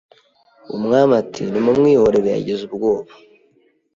Umwami ati Nimumwihorere yagize ubwoba